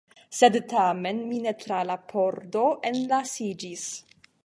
Sed tamen mi ne tra la pordo enlasiĝis.